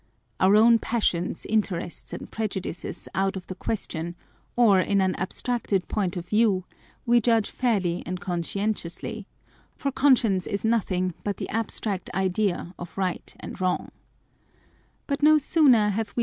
Our own passions, interests, and prejudices out of the question, or in an abstracted point of view, we judge fairly and conscientiously ; for conscience is nothing but the abstract idea of ( 190 On Dr. Spiirzheinis Theory.